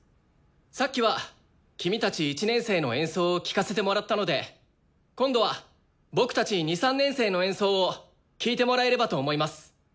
さっきは君たち１年生の演奏を聴かせてもらったので今度は僕たち２３年生の演奏を聴いてもらえればと思います。